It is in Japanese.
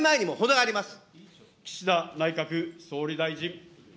岸田内閣総理大臣。